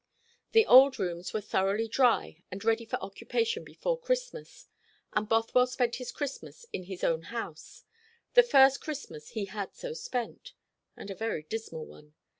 The old rooms were thoroughly dry and ready for occupation before Christmas; and Bothwell spent his Christmas in his own house, the first Christmas he had so spent, and a very dismal one.